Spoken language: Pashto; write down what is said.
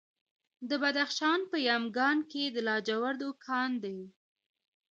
د بدخشان په یمګان کې د لاجوردو کان دی.